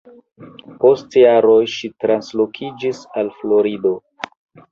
Post jaroj ŝi translokiĝis al Florido.